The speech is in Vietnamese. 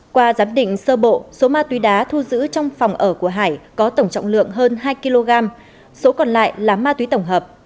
qua giám định sơ bộ số ma túy đá thu giữ trong phòng ở của hải có tổng trọng lượng hơn hai kg số còn lại là ma túy tổng hợp